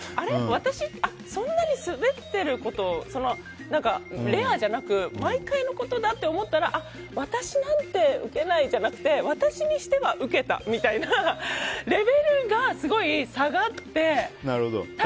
私そんなにスベってることがレアじゃなく毎回のことだって思ったら私なんてウケないじゃなくて私にしてはウケたみたいなレベルがすごい下がって。